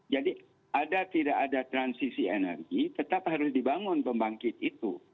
jadi ada tidak ada transisi energi tetap harus dibangun pembangkit itu